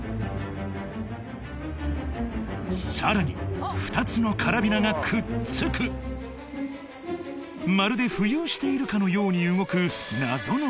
さらに２つのカラビナがくっつくまるで浮遊しているかのように動く